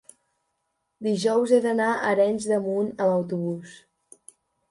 dijous he d'anar a Arenys de Munt amb autobús.